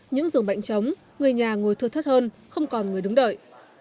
những dường bệnh chống người nhà ngồi thưa thất hơn không còn người đứng đợi